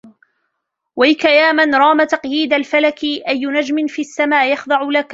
وَيْكَ يا مَنْ رَامَ تَقْييدَ الفَلَك أىُّ نَجْمٍ في السَّما يَخْضَعُ لَك